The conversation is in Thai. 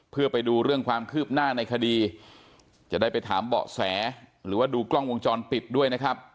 เพื่อไปดูเรื่องความคืบหน้าในคดีจะได้ไปถามเบาะแสหรือว่าดูกล้องวงจรปิดด้วยนะครับ